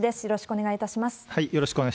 よろしくお願いします。